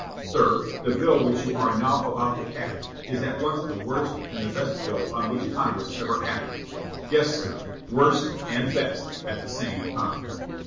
"Sir, the bill which you are now about to pass is at once the worst and the best bill on which Congress ever acted. Yes, sir, WORST and BEST at the same time.